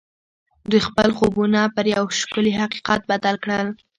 دوی خپل خوبونه پر یو ښکلي حقیقت بدل کړل